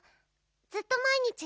ずっとまいにち